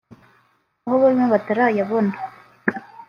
aho bamwe batarayabona